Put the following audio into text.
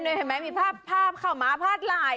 นี่เห็นมั้ยมีภาพเข้ามาภาคหลาย